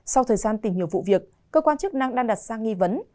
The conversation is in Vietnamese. sau thời gian tình hiệu vụ việc cơ quan chức năng đang đặt sang nghi vấn